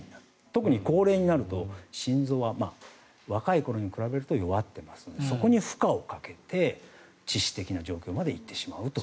特に高齢になると心臓は若い頃に比べると弱ってますからそこに負荷をかけて致死的な状況まで行ってしまうと。